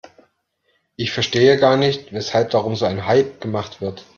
Ich verstehe gar nicht, weshalb darum so ein Hype gemacht wird.